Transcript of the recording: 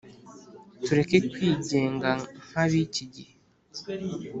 tureke kwigenga nka bikigihe